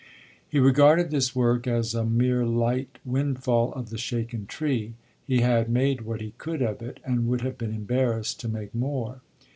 He regarded this work as a mere light wind fall of the shaken tree: he had made what he could of it and would have been embarrassed to make more.